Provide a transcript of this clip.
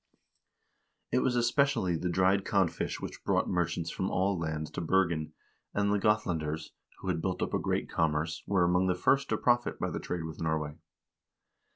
It was especially the dried codfish which brought merchants from all lands to Bergen, and the Gothlanders, who had built up a great commerce, were among the first to profit by the trade with Norway.